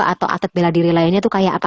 atau atlet bela diri lainnya tuh kayak apa ya